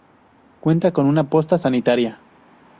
Cuenta con una posta sanitaria.